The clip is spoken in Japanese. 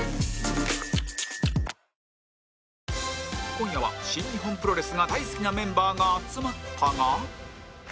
今夜は新日本プロレスが大好きなメンバーが集まったが